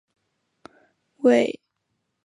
位阶统领。